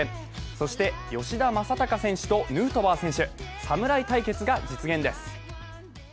そして吉田正尚選手とヌートバー選手、侍対決が実現です。